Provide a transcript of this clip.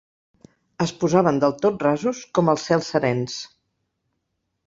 Es posaven del tot rasos, com els cels serens.